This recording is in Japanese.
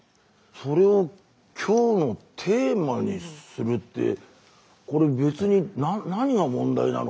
それを今日のテーマにするってこれ別にそれをこちらの。